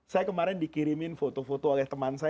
saya kemarin dikirimin foto foto oleh teman saya